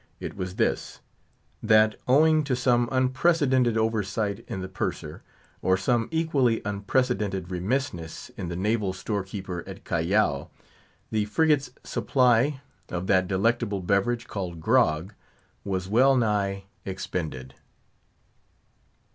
It was this: that, owing to some unprecedented oversight in the Purser, or some equally unprecedented remissness in the Naval storekeeper at Callao, the frigate's supply of that delectable beverage, called "grog," was well nigh expended.